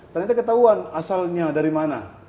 ternyata ketahuan asalnya dari mana